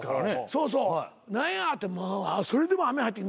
そうそう「何や」ってそれでも雨入って。